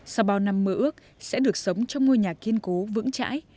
sau bao năm mơ ước sẽ được sống trong ngôi nhà kiên cố vững chãi